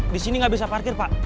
di sini nggak bisa parkir pak